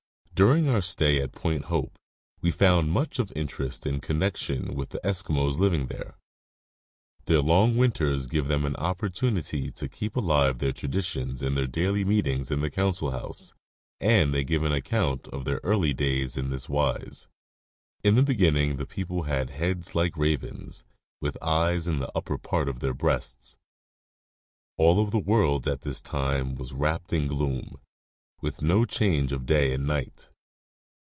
During our stay at Point Hope we found much of interest in connection with the Eskimos living there. Their long winters give them an opportunity to keep alive their traditions in their daily meetings in the council house, and they give an account of their early days in this wise: In the beginning the people had heads like ravens, with eyes in the upper part of their breasts. All the world at this time was wrapt in gloom, with no change of day and night.